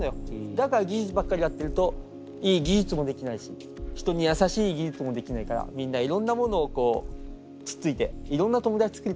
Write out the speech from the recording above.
だから技術ばっかりやってるといい技術もできないし人に優しい技術もできないからみんないろんなものをこうつっついていろんな友だちつくると。